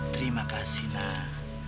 terima kasih nak